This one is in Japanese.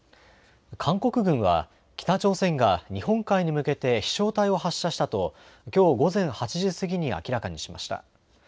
韓国軍は北朝鮮が日本海に向けて飛しょう体を発射したときょう午前８時過ぎに明らかにしました。